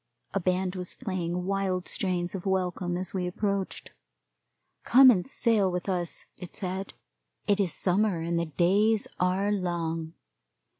A band was playing wild strains of welcome as we approached. Come and sail with us, it said it is summer, and the days are long.